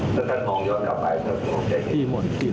และคุณต้องยอดกลับไปให้คุณน้องใจดี